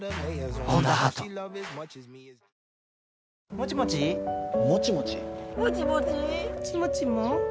もちもちもちもちもちもちちもちも？